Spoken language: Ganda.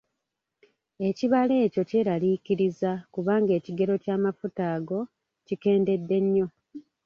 Ekibalo ekyo kyeraliikiriza kubanga ekigero ky'amafuta ago kikendedde nnyo.